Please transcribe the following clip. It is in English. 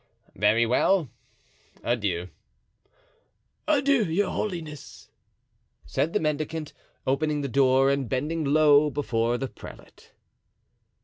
"Very well. Adieu." "Adieu, your holiness," said the mendicant, opening the door and bending low before the prelate.